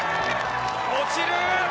落ちる。